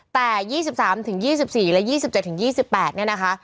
แต่๒๓๒๔และ๒๗๒๘เนี่ยนะคะ